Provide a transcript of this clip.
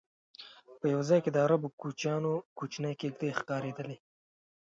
په یو ځای کې د عربو کوچیانو کوچنۍ کېږدی ښکارېدلې.